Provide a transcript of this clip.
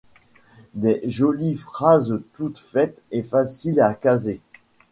Des jolies phrases toutes faites et faciles à caser ?